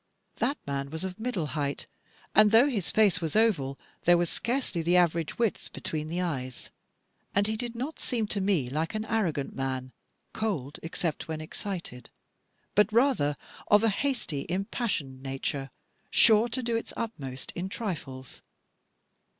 That man was of middle height, and though his face was oval, there was scarcely the average width between the eyes. And he did not seem to me like an arrogant man, cold except when excited; but rather of a hasty, impassioned nature, sure to do its utmost in trifles.